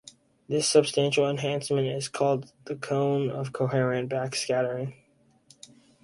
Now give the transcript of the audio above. This substantial enhancement is called the cone of coherent backscattering.